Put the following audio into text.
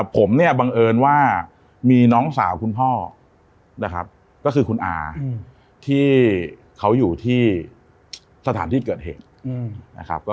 ผมเนี่ยบังเอิญว่ามีน้องสาวคุณพ่อนะครับก็คือคุณอาที่เขาอยู่ที่สถานที่เกิดเหตุนะครับ